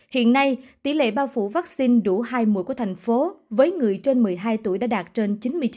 hiện nay tỷ lệ bao phủ vaccine đủ hai mũi của thành phố với người trên một mươi hai tuổi đã đạt trên chín mươi chín